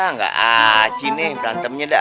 nggak aji nih berantemnya dah